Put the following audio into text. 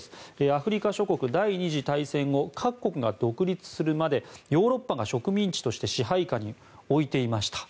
アフリカ諸国、第２次大戦後各国が独立するまでヨーロッパが植民地として支配下に置いていました。